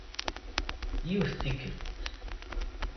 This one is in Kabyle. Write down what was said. Yiwet n tikkelt.